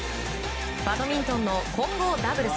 バドミントンの混合ダブルス。